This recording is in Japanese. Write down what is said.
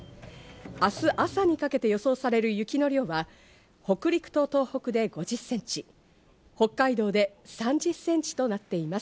明日朝にかけて予想される雪の量は北陸と東北で５０ｃｍ、北海道で３０ｃｍとなっています。